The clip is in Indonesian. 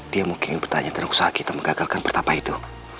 dia mungkin bertanya tentang usaha kita menggagalkan bertapa itu